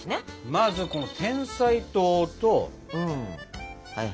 まずこのてんさい糖とお水。